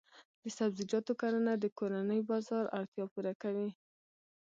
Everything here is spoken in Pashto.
د سبزیجاتو کرنه د کورني بازار اړتیا پوره کوي.